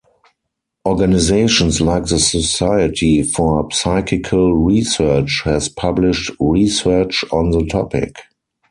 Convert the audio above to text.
Organisations like the Society for Psychical Research has published research on the topic.